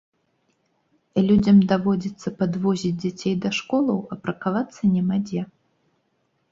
Людзям даводзіцца падвозіць дзяцей да школаў, а паркавацца няма дзе.